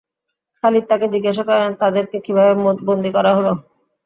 খালিদ তাকে জিজ্ঞেস করেন, তাদেরকে কিভাবে বন্দি করা হল?